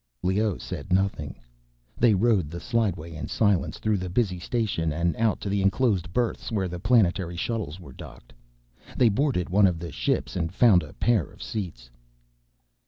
Leoh said nothing. They rode the slideway in silence through the busy station and out to the enclosed berths where the planetary shuttles were docked. They boarded one of the ships and found a pair of seats.